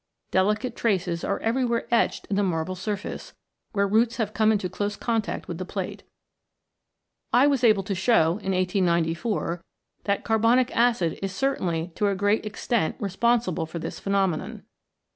Delicate traces are every where etched in the marble surface, where roots have come into close contact with the plate. I was able to show, in 1894, that carbonic acid is certainly to a great extent responsible for this phenomenon.